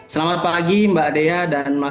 selamat pagi mbak adea dan mas reza